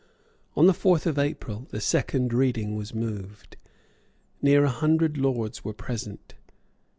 On the fourth of April, the second reading was moved. Near a hundred lords were present.